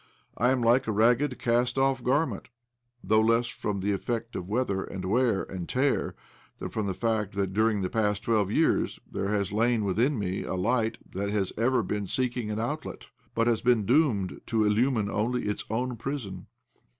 I am like a ragged, cast off garment — though less from the effect of weather and wear and tear than from the fact that during the past twelve years there has lain within me a light that has ever been seeking an outlet, but has been doomed to illumine only its own prison.